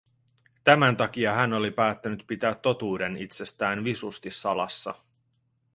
Tämän takia hän oli päättänyt pitää totuuden itsestään visusti salassa.